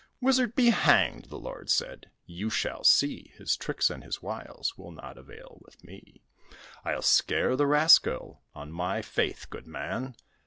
"Wizard, be hanged!" the lord said; "you shall see, His tricks and his wiles will not avail with me; I'll scare the rascal, on my faith, good man."